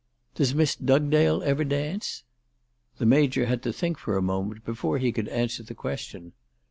" Does Miss Dugdale ever dance ?" The Major had to think for a moment before he could answer the question.